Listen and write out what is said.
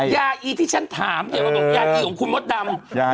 ยาอีที่ฉันถามอย่ามาบอกยาอีของคุณมดดำ